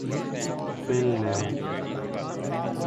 fun land